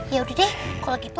ya udah deh